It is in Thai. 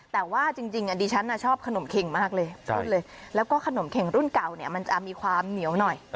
แต่ว่าจริงดิฉันชอบขนมเข็งมากเลยแล้วก็ขนมเข็งรุ่นเก่าเนี่ยมันจะมีความเหนียวหน่อย